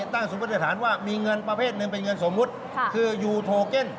สมมุติฐานว่ามีเงินประเภทหนึ่งเป็นเงินสมมุติคือยูโทเก็น